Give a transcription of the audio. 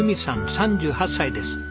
３８歳です。